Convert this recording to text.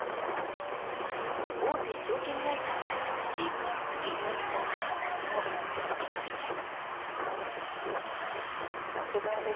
大手証券会社を退職し起業した甲斐さんもその１人です。